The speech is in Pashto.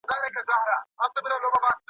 که شفقت وي نو کرکه نه پیدا کیږي.